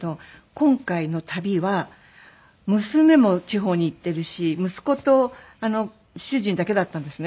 今回の旅は娘も地方に行ってるし息子と主人だけだったんですね。